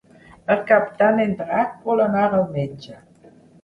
Per Cap d'Any en Drac vol anar al metge.